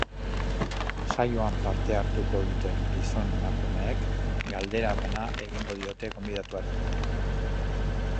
Saioan parte hartuko duten gizon-emakumeek galdera bana egingo diote gonbidatuari.